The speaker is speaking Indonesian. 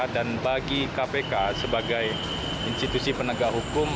dan bagi kpk sebagai institusi penegak hukum